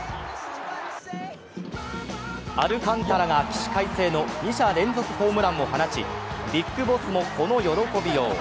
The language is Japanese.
アルカンタラが起死回生の２者連続ホームランを放ちＢＩＧＢＯＳＳも、この喜びよう。